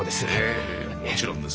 ええもちろんです。